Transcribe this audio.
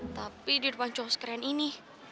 tapi di depan cowok sekeren ini